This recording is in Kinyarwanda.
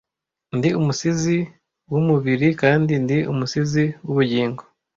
Ndi umusizi wumubiri kandi ndi umusizi wubugingo,